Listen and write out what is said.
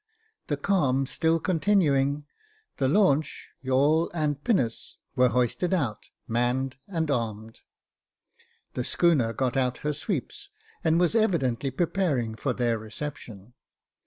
The calm still continuing, the launch, yawl and pinnace were hoisted out, manned, and armed. The schooner got out her sweeps, and was evidently preparing for their reception.